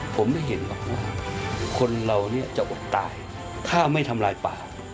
ผมได้เห็นบอกว่าคนเราเนี่ยจะอดตายถ้าไม่ทำลายป่า